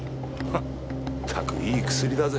まったくいい薬だぜ。